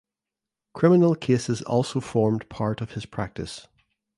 Criminal cases also formed part of his practice.